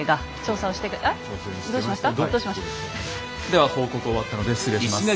では報告終わったので失礼します。